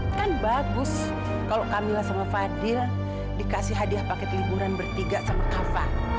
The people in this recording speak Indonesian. ini kan bagus kalau kamilah sama fadil dikasih hadiah paket liburan bertiga sama kava